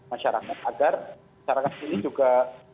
masyarakat agar masyarakat ini juga